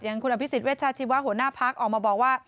อย่างคุณอภิษฐ์เวชชาชิวะหัวหน้าภาคออกมาบอกว่า